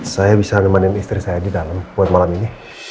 saya bisa nemenin istri saya didalam buat malam ini